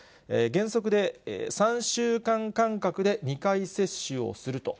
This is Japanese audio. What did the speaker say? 原則で３週間間隔で２回接種をすると。